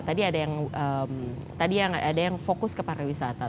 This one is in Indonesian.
tadi ada yang fokus ke para wisata